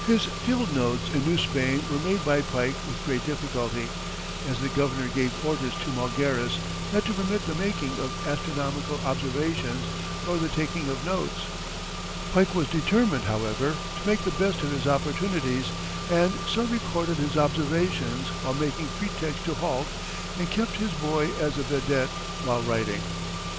His field notes in New Spain were made by Pike with great difficulty, as the Governor gave orders to Malgares not to permit the making of astronomical observations nor the taking of notes, Pike was determined, however, to make the best of his opportunities, and so recorded his observations while making pretext to halt, and kept his boy as a vedette while writing.